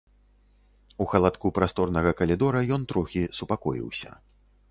У халадку прасторнага калідора ён трохі супакоіўся.